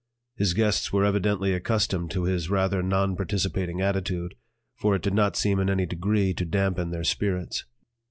His guests were evidently accustomed to his rather non participating attitude, for it did not seem in any degree to dampen their spirits.